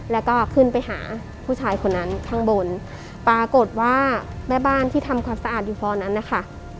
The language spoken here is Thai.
แล้วก็ขึ้นไปหาผู้ชายคนนั้นข้างบนปรากฏว่าแม่บ้านที่ทำความสะอาดอยู่ฟอร์นั้นนะคะ